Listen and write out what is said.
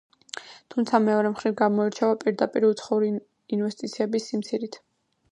თუმცა, მეორე მხრივ, გამოირჩევა პირდაპირი უცხოური ინვესტიციების სიმცირით.